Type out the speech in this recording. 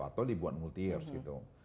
atau dibuat multi years gitu